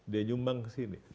dia nyumbang kesini